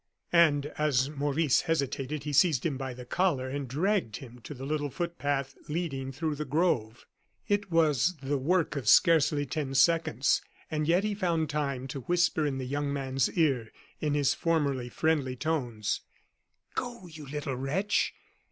And as Maurice hesitated, he seized him by the collar and dragged him to the little footpath leading through the grove. It was the work of scarcely ten seconds, and yet, he found time to whisper in the young man's ear, in his formerly friendly tones: "Go, you little wretch!